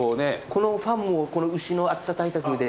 このファンも牛の暑さ対策で。